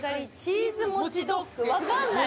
分かんない。